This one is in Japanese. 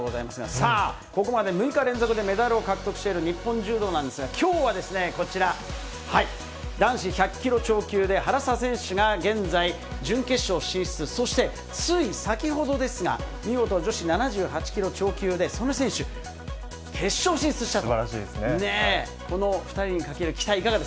さあ、ここまで６日連続でメダルを獲得している日本柔道なんですが、きょうはですね、こちら、男子１００キロ超級で、原沢選手が現在、準決勝進出、そして、つい先ほどですが、見事、女子７８キロ超級で素根選手、決勝進出したと。